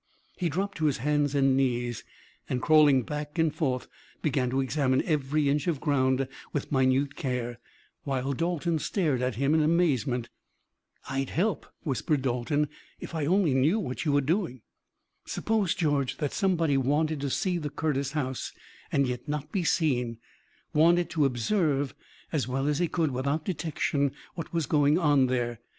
He dropped to his hands and knees, and, crawling back and forth, began to examine every inch of ground with minute care, while Dalton stared at him in amazement. "I'd help," whispered Dalton, "if I only knew what you were doing." "Suppose, George, that somebody wanted to see the Curtis house, and yet not be seen, wanted to observe as well as he could, without detection, what was going on there.